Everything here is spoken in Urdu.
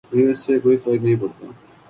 مجھے اس سے کوئی فرق نہیں پڑتا